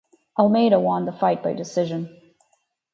Almeida won the fight by decision.